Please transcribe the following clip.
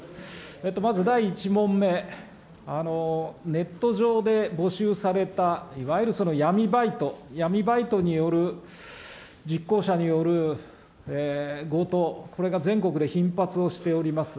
まず第１問目、ネット上で募集されたいわゆるその闇バイト、闇バイトによる実行者による強盗、これが全国で頻発をしております。